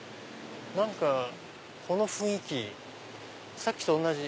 何かこの雰囲気さっきと同じ。